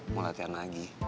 mau latihan lagi